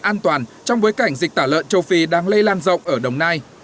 an toàn trong bối cảnh dịch tả lợn châu phi đang lây lan rộng ở đồng nai